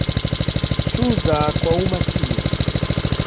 Chuza kwa umakini